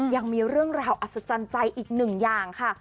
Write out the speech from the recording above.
ยังมีเรื่องราวอัศจรรย์ใจอีกหนึ่งอย่างค่ะ